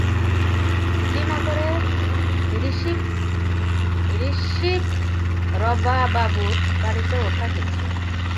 শ্রীনগরে ঋষিবরবাবুর বাড়ীতে ওঠা গেছে।